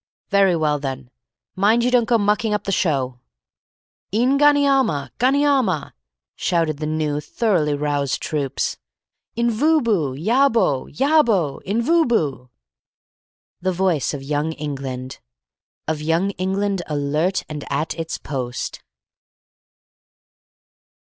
Very well, then. Mind you don't go mucking the show up." "Een gonyama gonyama!" shouted the new thoroughly roused troops. "Invooboo! Yah bo! Yah bo! Invooboo!" The voice of Young England of Young England alert and at its post!